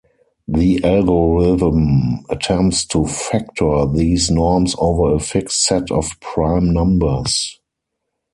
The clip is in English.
The algorithm attempts to factor these norms over a fixed set of prime numbers.